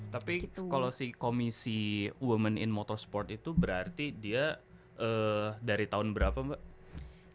tapi kalau si komisi women in motorsport itu berarti dia dari tahun berapa mbak